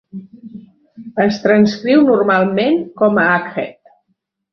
Es transcriu normalment com a Akhet.